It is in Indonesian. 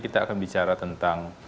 kita akan bicara tentang